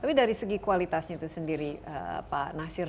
tapi dari segi kualitasnya itu sendiri pak nasir